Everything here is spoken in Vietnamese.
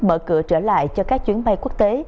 mở cửa trở lại cho các chuyến bay quốc tế